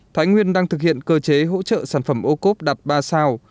thái nguyên đang thực hiện cơ chế hỗ trợ sản phẩm ô cốp đạt ba sao